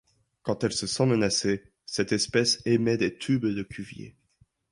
Quand elle se sent menacée, cette espèce émet des tubes de Cuvier.